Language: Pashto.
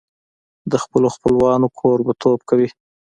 د خپلو خپلوانو کوربهتوب کوي.